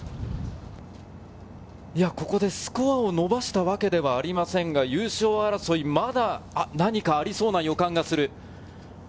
ここでスコアを伸ばしたわけではありませんが、優勝争い、まだ何かありそうな予感がする。